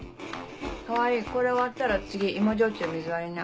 川合これ終わったら次芋焼酎水割りね。